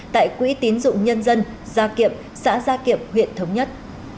tại quỹ tín dụng nhân dân gia kiệm xã gia kiệm huyện thống nhất